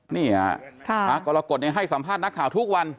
นี่ฮะพระกรกฎให้สัมภาษณ์นักข่าวทุกวัน